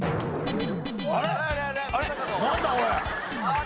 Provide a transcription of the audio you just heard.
あれ？